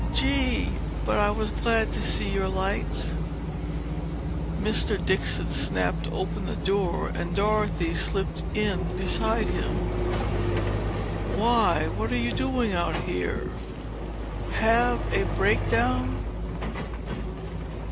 Gee! but I was glad to see your lights." Mr. Dixon snapped open the door and Dorothy slipped in beside him. "Why, what are you doing out here? Have a breakdown?"